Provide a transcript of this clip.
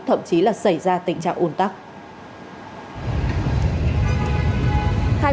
thậm chí là xảy ra tình trạng ồn tắc